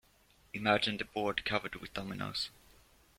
Imagine the board covered with dominoes.